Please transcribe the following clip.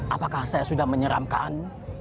apakah saya sudah menyeramkan